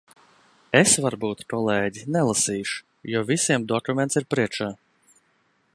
Es varbūt, kolēģi, nelasīšu, jo visiem dokuments ir priekšā.